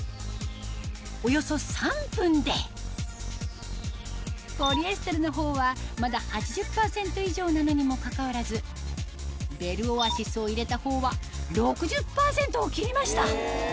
およそ３分でポリエステルの方はまだ８０％以上なのにもかかわらずベルオアシスを入れた方は６０％を切りました！